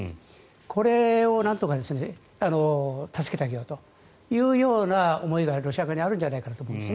これをなんとか助けてあげようというような思いがロシア側にあるんじゃないかなと思います。